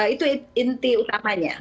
itu inti utamanya